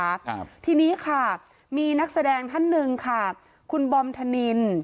ครับทีนี้ค่ะมีนักแสดงท่านหนึ่งค่ะคุณบอมธนิน